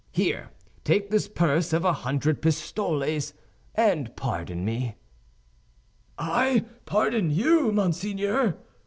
Here, take this purse of a hundred pistoles, and pardon me." "I pardon you, monseigneur!"